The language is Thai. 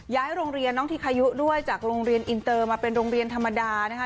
โรงเรียนน้องทิคายุด้วยจากโรงเรียนอินเตอร์มาเป็นโรงเรียนธรรมดานะคะ